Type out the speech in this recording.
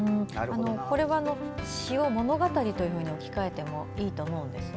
これは詩を物語と置き換えてもいいと思うんです。